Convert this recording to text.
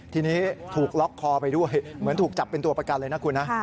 ทีนี้ถูกล็อกคอไปด้วยเหมือนถูกจับเป็นตัวประกันเลยนะคุณนะ